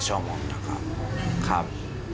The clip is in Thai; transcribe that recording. ๗๘ชั่วโมงครับครับ